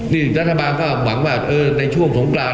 นี่รัฐบาลก็หวังว่าในช่วงสงกราน